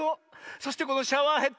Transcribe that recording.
そしてこのシャワーヘッド。